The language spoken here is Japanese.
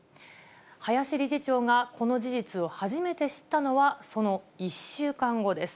林理事長がこの事実を初めて知ったのは、その１週間後です。